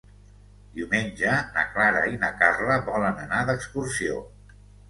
Diumenge na Clara i na Carla volen anar d'excursió.